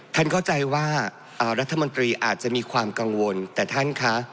เข้าใจว่ารัฐมนตรีอาจจะมีความกังวลแต่ท่านคะ